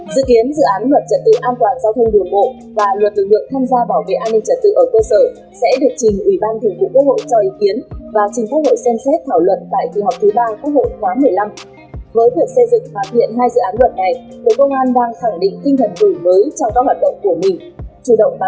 dự kiến dự án luật trật tự an toàn giao thông đường bộ và luật tự ngược tham gia bảo vệ an ninh trật tự ở cơ sở